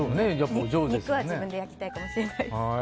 肉は自分で焼きたいかもしれない。